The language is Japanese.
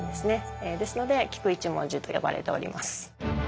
ですので菊一文字と呼ばれております。